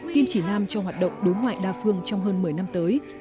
kim chỉ nam cho hoạt động đối ngoại đa phương trong hơn một mươi năm tới